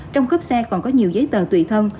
trong khớp xe còn có nhiều giấy tờ tùy thân